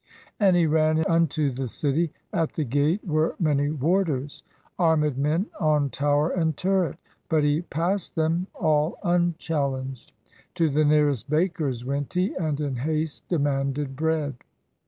And he ran unto the city; At the gate were many warders. Armed men on tower and turret, 331 PERSIA But he passed them all unchallenged ; To the nearest baker's went he, And in haste demanded bread.